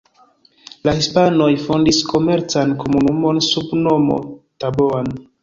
La hispanoj fondis komercan komunumon sub nomo Taboan.